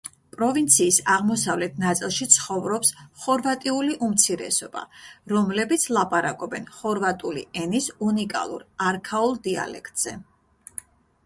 პროვინციის აღმოსავლეთ ნაწილში ცხოვრობს ხორვატიული უმცირესობა, რომლებიც ლაპარაკობენ ხორვატული ენის უნიკალურ, არქაულ დიალექტზე.